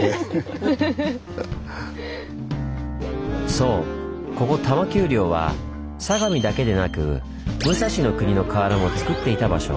そうここ多摩丘陵は相模だけでなく武蔵国の瓦もつくっていた場所。